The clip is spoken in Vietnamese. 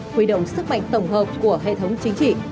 huy động sức mạnh tổng hợp của hệ thống chính trị